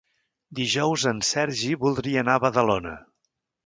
Dijous en Sergi voldria anar a Badalona.